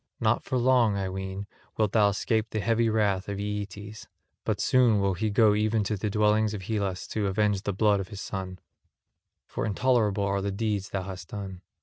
Not for long, I ween, wilt thou escape the heavy wrath of Aeetes; but soon will he go even to the dwellings of Hellas to avenge the blood of his son, for intolerable are the deeds thou hast done.